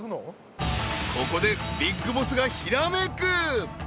［ここでビッグボスがひらめく！］